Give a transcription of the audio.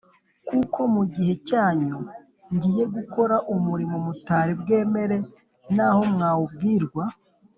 kuko mu gihe cyanyu ngiye gukora umurimo mutari bwemere naho mwawubwirwa